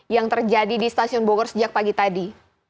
yang terjadi di stasiun bogor sejak pagi tadi